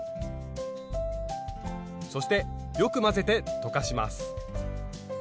そしてよく混ぜて溶かします。